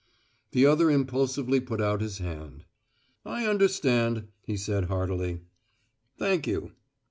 The other impulsively put out his hand. "I understand," he said heartily. "Thank you."